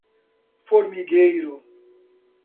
Formigueiro